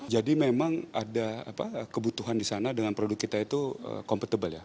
jadi memang ada kebutuhan di sana dengan produk kita itu kompetibel